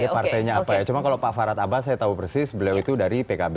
partainya apa ya cuma kalau pak farad abbas saya tahu persis beliau itu dari pkb